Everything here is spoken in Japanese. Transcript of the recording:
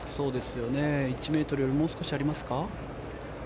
１ｍもう少しありますか。